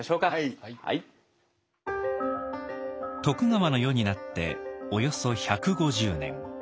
徳川の世になっておよそ１５０年。